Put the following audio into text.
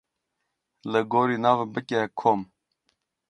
Li gorî nav bike kom.